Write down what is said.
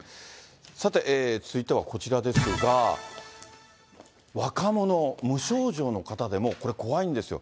さて、続いてはこちらですが、若者、無症状の方でもこれ、怖いんですよ。